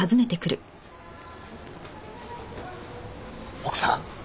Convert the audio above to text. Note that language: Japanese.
奥さん？